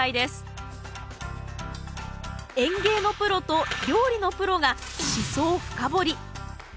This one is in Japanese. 園芸のプロと料理のプロがシソを深掘り。